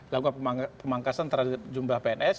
lakukan pemangkasan terhadap jumlah pns